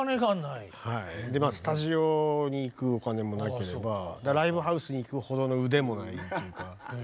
でまあスタジオに行くお金もなければライブハウスに行くほどの腕もないっていうか。